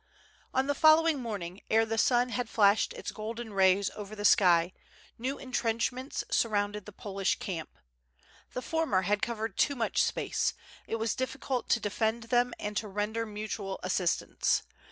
On the following morning ere the sun had flashed its golden rays over the sky, new entrenchments surrounded the Polish camp. The former had covered too much space; it was diffi cult to defend them and to render mutual assistance.